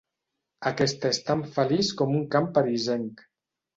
Aquesta és tan feliç com un camp parisenc.